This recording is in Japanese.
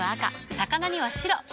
魚には白。